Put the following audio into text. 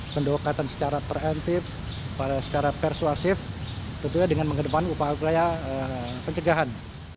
pendokatan secara perentif secara persuasif tentunya dengan mengedepan upaya upaya pencegahan